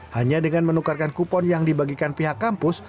hanya dengan menukarkan kupon yang dibagikan pihak kampus